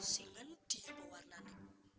singen dia warna ini